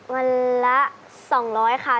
วันละ๒๐๐ค่ะ